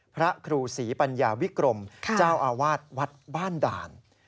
พระครูศรีปัญญาวิกรมเจ้าอาวาสวัดบ้านด่าน